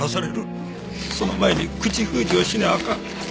その前に口封じをしなあかん。